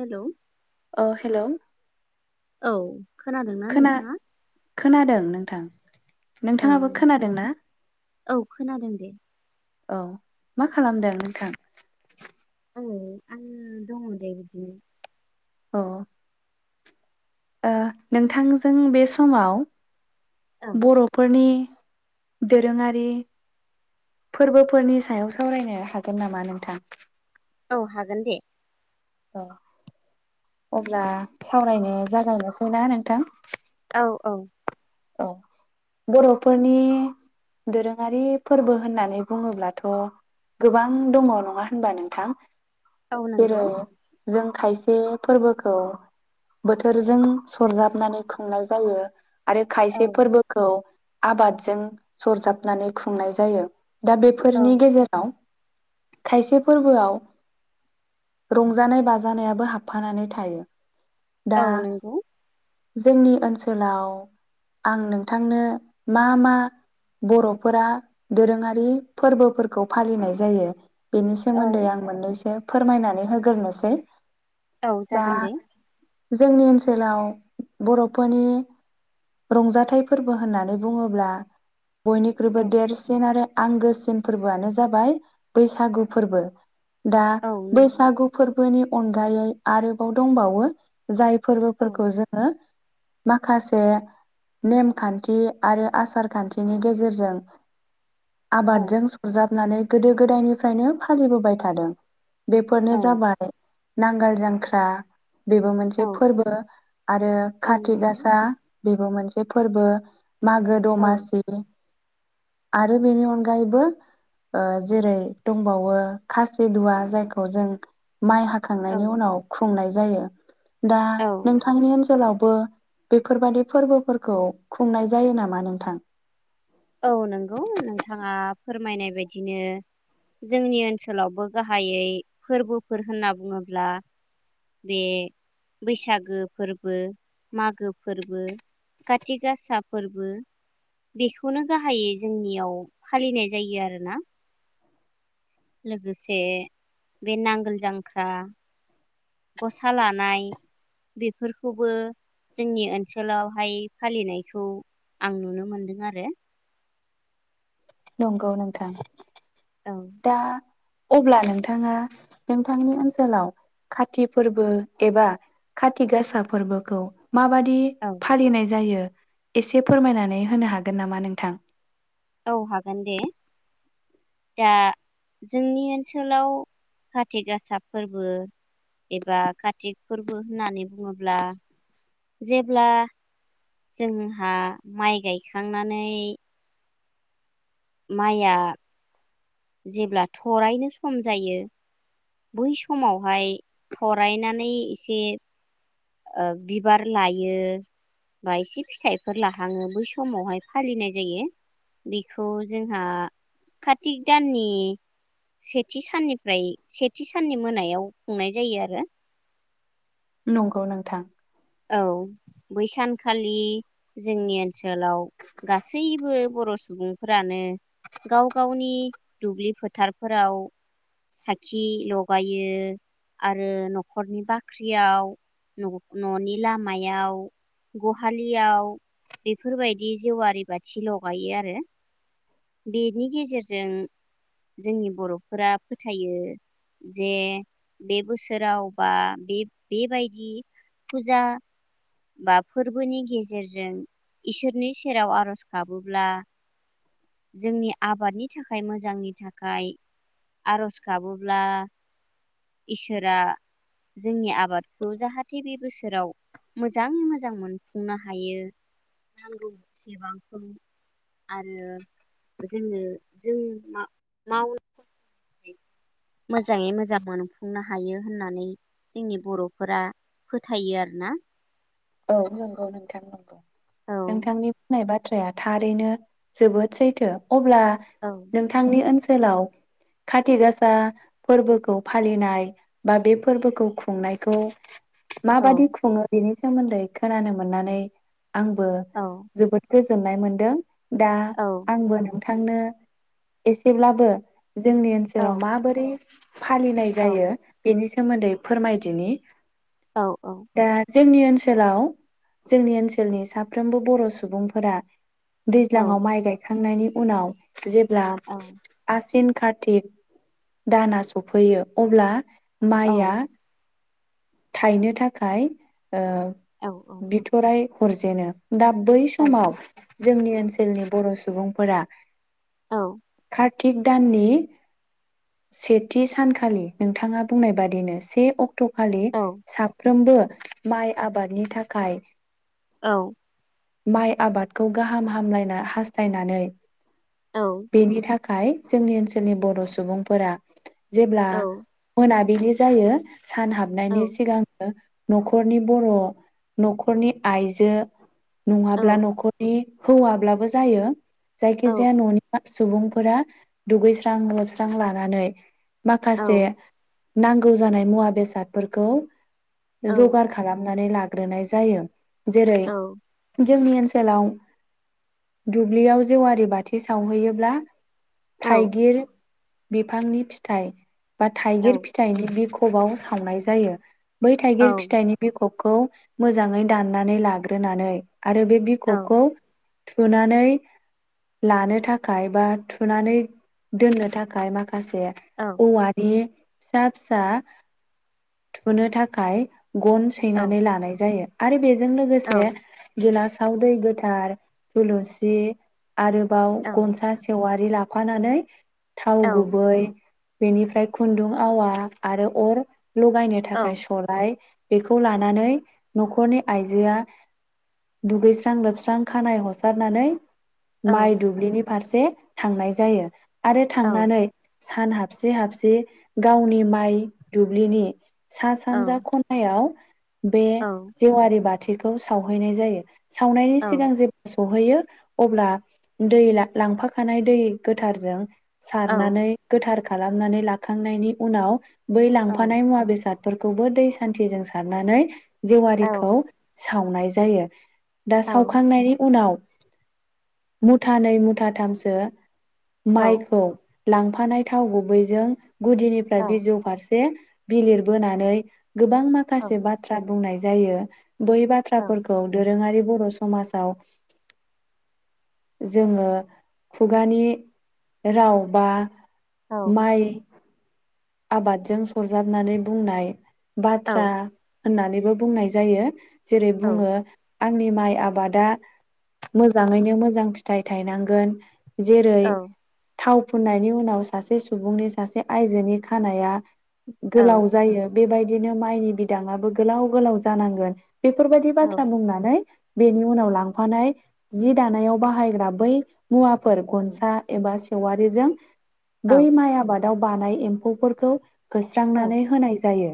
Hello अ hello औ खोनादोंना खोना नोंथांङा? खोनादों नोंथां औ नोंथाङाबो खोनादोंना औ खोनादों दे औ मा खालामदों नोंथां? औ आं दङ दे बिदिनो अ ओह नोंथांजों बे समाव औ बर'फोरनि दोरोङारि फोरबोफोरनि सायाव सावरायनो हागोन नामा नोंथां? औ हागोन दे। औ अब्ला सावरायनो जागायनोसै ना नोंथां? औ औ औ बर'फोरनि दोरोङारि फोरबो होननानै बुङोब्लाथ' गोबां दङ नङा होनबा नोंथां? औ नोंगौ। जेरै जों खायसे फोरबोखौ बोथोरजों सरजाबनानै खुंनाय जायो। आरो औ खायसे फोरबोखौ आबादजों सरजाबनानै खुंनाय जायो। दा औ बेफोरनि गेजेराव खायसे फोरबोआव रंजानाय बाजानायाबो हाबफानानै थायो। दा औ नोंगौ। जोंनि ओनसोलाव आं नोंथांनो मा मा बर'फोरा दोरोङारि फोरबोफोरखौ फालिनाय जायो- बेनि औ सोमोन्दै आं मोननैसो फोरमायनानै होग्रोनोसै। औ दा जागोन दे। जोंनि ओनसोलाव बर'फोरनि रंजाथाइ फोरबो होननानै बुङोब्ला बयनिख्रुइबो औ देरसिन आरो आंगोसिन फोरबोआनो जाबाय बैसागु फोरबो। दा औ नंगौ बैसागु फोरबोनि अनगायै आरोबाव दंबावो जाय औ फोरबोफोरखौ जोङो माखासे नेमखान्थि आरो आसार खान्थिनि गेजेरजों औ आबादजों सरजाबनानै गोदो गोदायनिफ्रायनो फालिबोबाय थादों। बेफोरनो औ जाबाय नांगोल जांख्रा बेबो मोनसे औ फोरबो आरो औ काति नंगौ गासा बेबो मोनसे फोरबो मागो औ दमासि आरो बेनि अनगायैबो जेरै दंबावो खासि दुवा जायखौ जों माय औ हाखांनायनि उनाव खुंनाय जायो। दा औ नोंथांनि ओनसोलाव बो बेफोरबायदि फोरबोफोरखौ खुंनाय जायो नामा नोंथां। औ नंगौ नोंथाङा फोरमायनाय बायदिनो जोंनि ओनसोलावबो गाहायै फोरबोफोर होनना बुङोब्ला बे बैसागो फोरबो मागो फोरबो काति गासा फोरबो बेखौनो गाहायै जोंनियाव फालिनाय जायो आरोना। लोगोसे बे नांगोल जांख्रा गसा लानाय बेफोरखौबो जोंनि ओनसोलावहाय फालिनायखौ आं नुनो मोनदों आरो। नंगौ नोंथां औ दा अब्ला नोंथाङा नोंथांनि ओनसोलाव खाथि फोरबो एबा खाथि गासा फोरबोखौ माबादि औ फालिनाय जायो एसे फोरमायनानै होनो हागोन नामा नोंथां। औ हागोन दे दा जोंनि ओनसोलाव काति गासा फोरबो एबा कातिक फोरबो होननानै बुङोब्ला जेब्ला जोंहा माय गायखांनानै माइया जेब्ला थरायनो सम जायो बै समावहाय थरायनानै एसे बिबार लायो बा एसे फिथायफोर लाहाङो बै समावहाय फालिनाय जायो बेखौ जोंहा कातिक दाननि सेथि साननिफ्राय से थि साननि मोनायाव खुंनाय जायो आरो। नंगौ नोंथां औ बै सानखालि जोंनि ओनसोलाव गासैबो बर' सुबुंफोरानो गाव गावनि दुब्लि फोथारफोराव साथि लगायो आरो न'खरनि बाख्रियाव न'नि लामायाव गहालियाव बेफोरबायदि जेवारि बाथि लगायो आरो बेनि गेजेरजों जोंनि बर'फोरा फोथायो जे बे बोसोराव बा बे बेबायदि फुजा बा फोरबोनि गेजेरजों इसोरनि सेराव आर'ज गाबोब्ला जोंनि आबादनि थाखाय मोजांनि थाखाय आर'ज गाबोब्ला इसोरा जोंनि आबादखौ जाहाथे बे बोसोराव मोजाङै मोजां मोनफुंनो हायो नांगौ जेसेबांखौ आरो जोंङो जों मोजाङै मोजां मोनफुं सुफुंनो हायो होननानै जोंनि बर'फोरा फोथायो आरो ना। औ नंगौ नोंथां नंगौ औ नोंथांनि बुंनाय बा थ्राया थारैनो जोबोद सैथो। अब्ला औ नोंथांनि ओन सोलाव काति गासा फोरबोखौ फालिनाय बा बे फोरबोखौ खुंनायखौ औ माबादि खुङो बेनि सोमोन्दै खोनानो मोननानै आंबो जोबोद गोज जोननाय मोन्दों। दा औ आंबो नों थांनो एसेब्लाबो जोंनि औ ओनसोलाव माबोरै फालिनाय औ जायो बेनि सोमोन्दै फोरमायदिनि औ दा [inaudible] जोंनि ओनसोलाव जोंनि ओनसोलनि साफ्रोमबो बर' सुबुंफोरा औ दैज्लांआव माइ गायखांनायनि उनाव जेब्ला आसिन कार्तिक दाना सफैयो अब्ला औ माया थायनो थाखाय ओ बिथराय हरजेनो दा बै औ समाव जोंनि ओनसोलनि बर' सुबुंफोरा औ काटिक दाननि सेथि सानखालि नोंथाङा बुंनाय बादिनो से अक्ट ट' खालि औ साफ्रोमबो माइ आबादनि थाखाय औ माइ आबादखौ गाहाम हामलायना हास्थायनानै औ बेनि थाख खाय जोंनि ओनसोलनि बर' सुबुंफोरा जेब्ला मोना बिलि जायो सान हाबनायनि सिगांनो न'ख [inaudible] नखरनि बर' न'खरनि आइजो नङाब्ला न'खरनि हौवाब्लाबो जायो जायखिजाया न'नि सुबुंफोरा दुगैस्रां लोबस्रां लानानै माखासे औ नांगौ जानाय मुवा बेसादफोरखौ औ जगार खामनानै लाग्रोनाय जायो। जेरै जोंनि ओन सोलाव दुब्लियाव जेवारि बाथि सावहैयोब्ला औ औ थाइगिर बिफांनि फिथाइ बा थाइगिर औ फिथाइनि बिख खबाव सावनाय जायो। बै थाइगिर फिथाइनि खबखौ मोजाङै दाननानै लाग्रोनानै आरो बे बिखबखौ थुनानै लानो थाखाय बा थुनानै दोननो थाखाय माखा खासे औवानि फिसा फिसा थुनो थाखाय गन सैनानै लानाय जायो। आरो बे - जों लोगोसे गेलास साव दै गोथार थुलुसि आरोबाव गनसा सेवारि लाफ फानानै थाव गुबै बेनिफ्राय खुन्दुं आवा आरो अर लगायनो थाखाय सलाय खौ लानानै न'खरनि आइजोआ दुगैस्रां लोबस्रां खानाय हसारनानै माइ दुब्लिनि फारसे थांनाय जायो। आरो थांनानै सान हाबसे हाबसे गावनि माइ दुब्लिनि सा सानजा खनायाव बे जेवारि बाथ थिखौ सावहैनाय जायो। सावनायनि सिगां जेब [unintelligible] अहैयो अब्ला दै ला-लांफाखानाय दै गोथारजों सारनानै गोथार खालामनानै लाखांनायनि उनाव बै लांफानाय मुवा बेसाद फोरखौबो दै सान्थिजों सा सारनानै जेवारिखौ सावनाय जायो। दा सावखांनायनि उनाव मुथानै मुथाथामसो माइखौ लांफानाय थाव गुबैजों गुदिनिफ्राय बिजौ फारसे बिलिर बोनानै गोबां माखासे बाथ्रा बुंनाय जायो। बै बाथ्राफोरखौ दोरोङारि बर' समाजाव जोङो खुगानि राव बा माइ आबादजों सरजाबनानै बुंनाय बा [unintelligible] होननानैबो बुंनाय जायो। जेरै बुङो आंनि माइ आबादा मोजाङैनो मोजां फिथाइ थायनांगोन। जेरै थाव फुननायनि उनाव सासे सुबुंनि सासे आयजोनि खानाया गोलाव जायो बेबायदिनो माइनि बिदाङाबो गोलाव गोलाव जानांगोन। बेफोरबायदि बाथ्रा बुंनानै बेनि उनाव लांफानाय जि दानायाव बाहायग्रा बै मुवाफोर गनसा एबा सि वारिजों बै माइ आबाद दाव बानाय एम्फौफोरखौ होस्रांनानै होनाय जायो।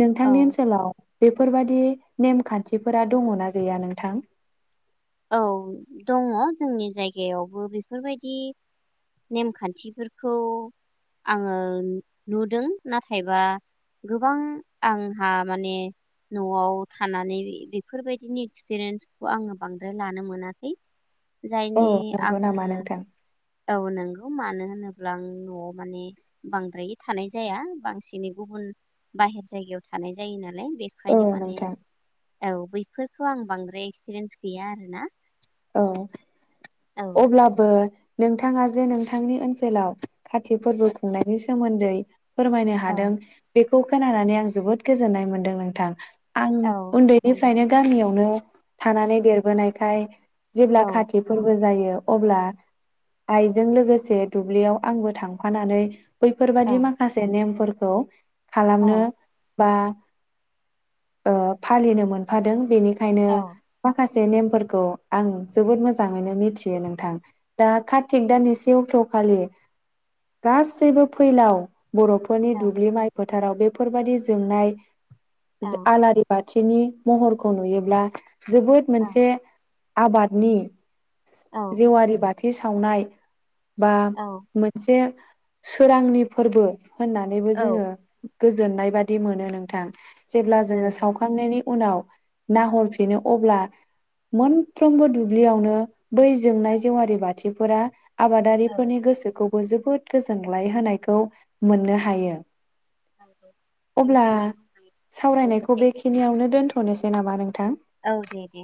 नोंथांनि ओनसोलाव बेफोरबादि नेमखान्थिफोरा दंङ ना गैया नोंथां। औ दङ' जोंनि जायगायावबो बेफोरबादि नेम खान्थिफोरखौ आंङो नुदों नाथायबा गोबां आंहा माने नआव थानानै बेफोरबादिनि एक्सपिरेन्सखौ आंङो बांद्राय लानो मोनाखै। औ जायनि नंगौ आङो नामा नोंथां औ नोंगौ मानो होनोब्ला आं नआव माने बांद्रायै थानाय जाया बांसिनै गुबुन बाहेर जायगायाव थानाय जायो नालाय। औ बेखायनो माने नोंथां औ बैफोर खौ आं बांद्राय एक्सपिरियेन्स गैया आरो ना। औ अब्लाबो नोंथाङा जे नोंथांनि ओनसोलाव खाति फोरबो खुंनायनि सोमोन्दै फोरमायनो औ हादों बे खौ खोनानानै आं जोबोद गोजोन्नाय मोनदों नोंथां। आं औ नंगौ उन्दैनिफ्रायनो गामियावनो थानानै देरबोनायखाय जेब्ला औ खाति फोरबो जायो अब्ला आइजों लोगोसे दुब्लियाव आंबो थांफानानै औ बैफोरबादि माखासे नेमफोर खौ औ खालामनो बा ओ फालिनो मोनफादों बेनि औ खायनो माखासे से नेमफोरखौ आं जोबोद मोजाङैनो मिथियो नोंथां दा कार्तिक दाननि से अक्ट'खालि गासैबो फैलाव बर'फोरनि औ दुब्लि माइफोर थाराव बेफोरबादि जोंनाय औ जो आलाारिबा थिनि महरखौ नुयोब्ला जोबोद मोनसे आबादनि औ जेवारि बाथ थि सावनाय बा औ मोनसे सोरांनि फोरबो होननानैबो औ जोङो गोजोननाय बादि मोनो नोंथां। जेब्ला जोङो नंगौ सावखांनायनि उनाव नाहरफिनो अब्ला मोनफ्रोमबो दुब्लियावनो बै औ जोंनाय जेवारि बाथिफोरा औ आबादारिफोरनि गोसोखौ खौ जोबोद गोजोनग्लाय होनायखौ औ मोननो हायो नंगौ अब्ला नोंथांनि बुंनाय बो सावरायनायखौ खोथाया बेखिनियावनो दोनथ'नोसै नामा नोंथां। औ दे दे